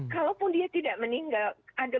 kalaupun dia tidak meninggal ada